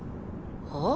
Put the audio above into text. はあ？